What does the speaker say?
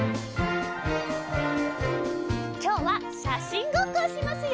きょうはしゃしんごっこをしますよ。